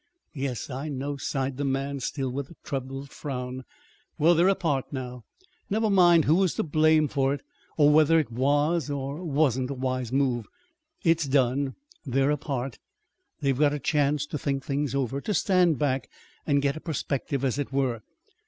"Yes, I know," sighed the man, still with a troubled frown. "Well, they're apart now. Never mind who was to blame for it, or whether it was or wasn't a wise move. It's done. They're apart. They've got a chance to think things over to stand back and get a perspective, as it were.